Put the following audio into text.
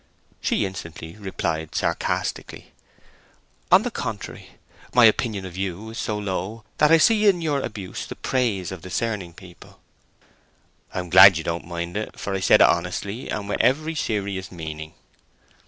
She instantly replied sarcastically— "On the contrary, my opinion of you is so low, that I see in your abuse the praise of discerning people!" "I am glad you don't mind it, for I said it honestly and with every serious meaning."